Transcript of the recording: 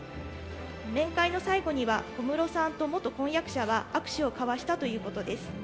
面会の最後には、小室さんと元婚約者は握手を交わしたということです。